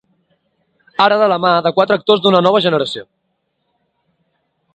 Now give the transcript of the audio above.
Ara de la mà de quatre actors d’una nova generació.